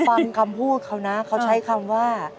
ฟังคำพูดเขานะเขาใช้คำว่า